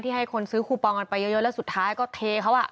ให้คนซื้อคูปองกันไปเยอะแล้วสุดท้ายก็เทเขาอ่ะ